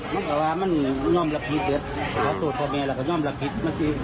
มันกลัวว่ามันน่อมระพีเด็ดเพราะส่วนพ่อแม่น่อมระพี